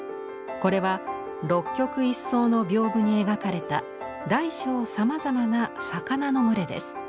これは六曲一双の屏風に描かれた大小さまざまな魚の群れです。